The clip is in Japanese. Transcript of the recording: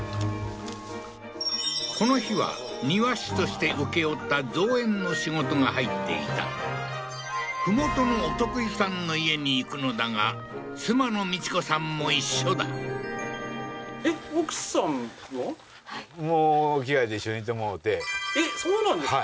この日は庭師として請け負った造園の仕事が入っていた麓のお得意さんの家に行くのだが妻の美智子さんも一緒だえっそうなんですか？